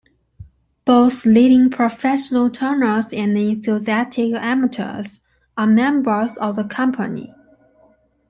Both leading professional turners and enthusiastic amateurs are members of the Company.